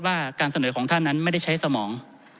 ว่าการเสนอของท่านนั้นไม่ได้ใช้สมอง